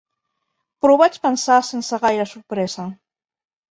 Però ho vaig pensar sense gaire sorpresa